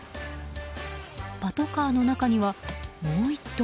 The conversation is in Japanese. パトカーの中には、もう１頭。